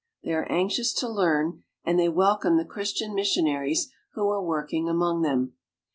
[ They are anxious to learn, and they welcome the Christian missionaries who are working among them.